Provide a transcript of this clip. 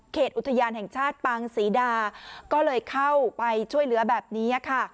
อุทยานแห่งชาติปางศรีดาก็เลยเข้าไปช่วยเหลือแบบนี้ค่ะ